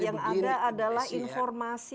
yang ada adalah informasi